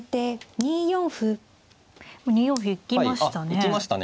２四歩行きましたね。